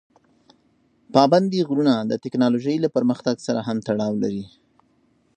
پابندي غرونه د تکنالوژۍ له پرمختګ سره هم تړاو لري.